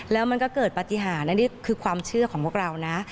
แล้วมันก็เกิดปฏิหารอันนี้คือความเชื่อของพวกเรานะ